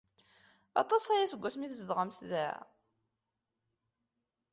Aṭas aya seg wasmi ay tzedɣemt da?